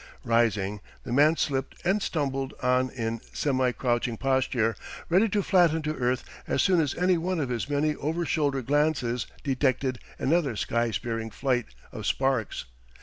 Rising, the man slipped and stumbled on in semi crouching posture, ready to flatten to earth as soon as any one of his many overshoulder glances detected another sky spearing flight of sparks.